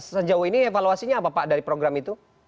sejauh ini evaluasinya apa pak dari program itu